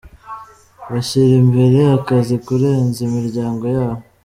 Bashyira imbere akazi kurenza imiryango yabo.